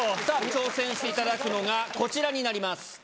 さぁ挑戦していただくのがこちらになります。